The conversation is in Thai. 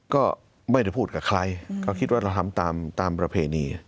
ก็ไม่ได้พูดกับใครเขาคิดว่าเราทำตามประเพณี